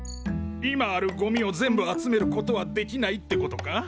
今あるゴミを全部集めることはできないってことか？